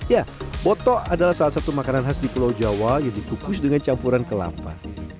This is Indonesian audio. ya botok adalah salah satu makanan khas di pulau jawa yang dikukus dengan campuran kelapa